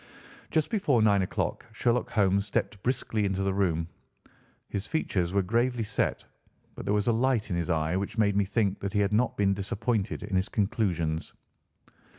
Just before nine o'clock Sherlock Holmes stepped briskly into the room. His features were gravely set, but there was a light in his eye which made me think that he had not been disappointed in his conclusions.